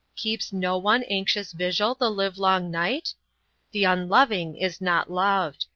Keeps no one anxious vigil, the live long night? The unloving is not loved.